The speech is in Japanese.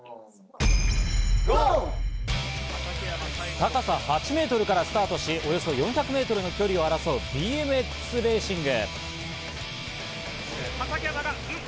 高さ８ｍからスタートし、およそ４００ｍの距離を争うＢＭＸレーシング。